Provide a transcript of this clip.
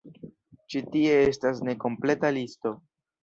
Ĉi tie estas nekompleta listo.